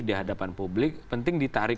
di hadapan publik penting ditarik